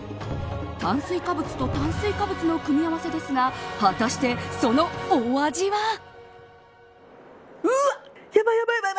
炭水化物と炭水化物の組み合わせですが果たしてそのお味は。